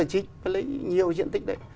có lấy nhiều diện tích đấy